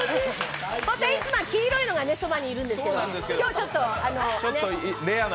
いつもは黄色いのがそばにいるんですけれども今日、ちょっとレアな。